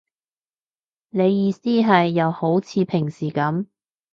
你意思係，又好似平時噉